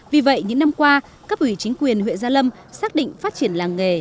vì vậy những năm qua cấp ủy chính quyền huyện gia lâm xác định phát triển làng nghề